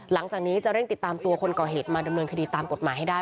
หลังจากนี้จะเร่งติดตามตัวคนก่อเหตุมาดำเนินคดีตามกฎหมายให้ได้